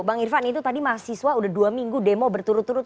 bang irvan itu tadi mahasiswa udah dua minggu demo berturut turut